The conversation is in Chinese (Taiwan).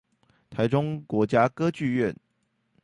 臺中國家歌劇院